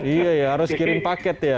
iya ya harus kirim paket ya